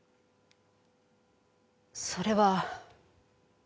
それは。